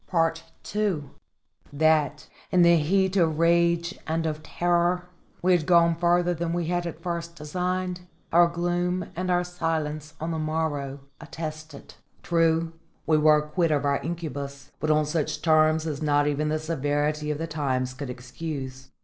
II That, in the heat of rage and of terror, we had gone farther than we had at first designed, our gloom and our silence on the morrow attested. True we were quit of our incubus, but on such terms as not even the severity of the times could excuse.